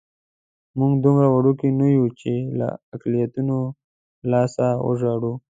موږ دومره وړوکي نه یو چې له اقلیتونو لاسه وژاړو.